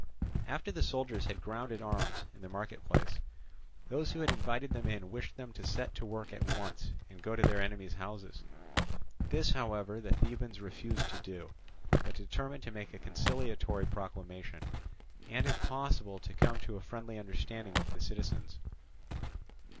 After the soldiers had grounded arms in the market place, those who had invited them in wished them to set to work at once and go to their enemies' houses. This, however, the Thebans refused to do, but determined to make a conciliatory proclamation, and if possible to come to a friendly understanding with the citizens.